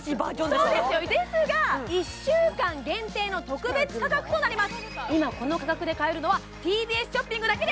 そうですよですが１週間限定の特別価格となります